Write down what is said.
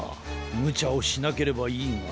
むちゃをしなければいいが。